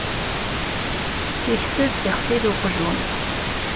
Yekseb tixsi d uqjun.